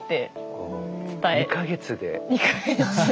２か月で。